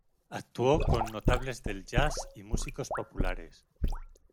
Actuó con notables del "jazz" y músicos populares.